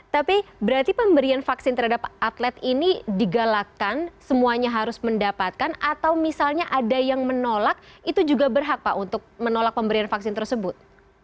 tapi berarti pemberian vaksin terhadap atlet ini digalakan semuanya harus mendapatkan atau misalnya ada yang menolak itu juga berhak pak untuk menolak pemberian vaksin tersebut